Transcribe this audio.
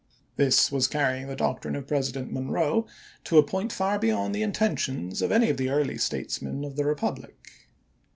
This was carrying the doctrine of President Monroe to a point far be yond the intentions of any of the early statesmen of the republic.